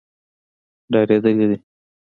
ډارېدلي دي.